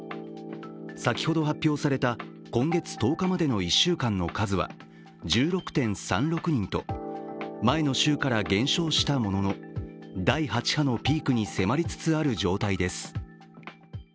先ほど発表された今月１０日までの１週間の数は１６．３６人と前の週から減少したものの、第８波のピークに迫りつつある状態です。